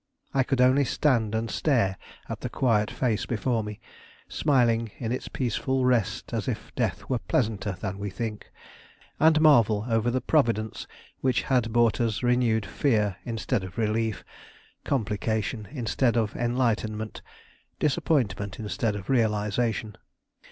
I could only stand and stare at the quiet face before me, smiling in its peaceful rest as if death were pleasanter than we think, and marvel over the providence which had brought us renewed fear instead of relief, complication instead of enlightenment, disappointment instead of realization.